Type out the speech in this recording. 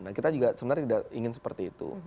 nah kita juga sebenarnya tidak ingin seperti itu